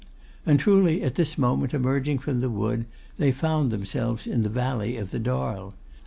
And truly, at this moment emerging from the wood, they found themselves in the valley of the Darl.